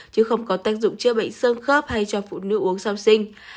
chứ không có tác dụng chữa bệnh sơn khớp hay cho phụ nữ uống sau sinh